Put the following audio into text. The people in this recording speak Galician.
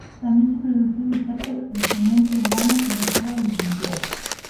Tamén se produciu un certo crecemento urbano e floreceu a agricultura.